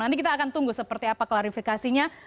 nanti kita akan tunggu seperti apa klarifikasinya